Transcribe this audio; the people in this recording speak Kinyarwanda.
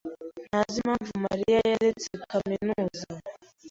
ntazi impamvu Mariya yaretse kaminuza.